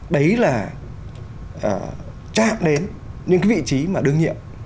đấy là chạm đến những cái vị trí mà đương nhiệm